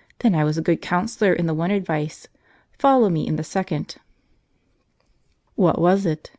" Then I was a good counsellor in the one advice ; follow me in the second." "What was it?"